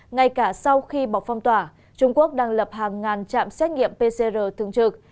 ngay cả sau khi bọc phong tỏa trung quốc đang lập hàng ngàn trạm xét nghiệm pcr thường trực